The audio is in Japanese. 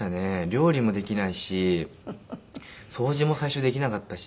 料理もできないし掃除も最初できなかったし。